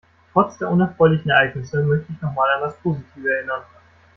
Trotz der unerfreulichen Ereignisse, möchte ich noch mal an das Positive erinnern.